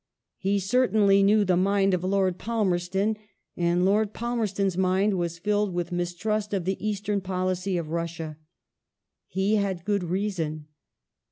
He certainly knew the mind of Lord Palmerston, and Lord Palmei'ston's mind was filled with mistrust of the Eastern policy of Russia. He had good reason.